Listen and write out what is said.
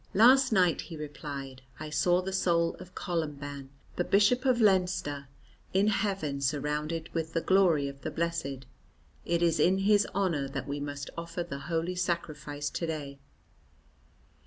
"Last night," he replied, "I saw the soul of Columban, the Bishop of Leinster, in heaven, surrounded with the glory of the blessed; it is in his honour that we must offer the Holy Sacrifice to day."